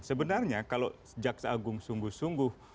sebenarnya kalau jaksa agung sungguh sungguh